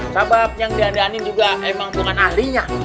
sebab yang diandaanin juga emang bukan ahlinya